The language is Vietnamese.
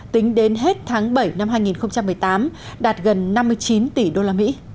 tính đến hết tháng bảy năm hai nghìn một mươi tám đạt gần năm mươi chín tỷ usd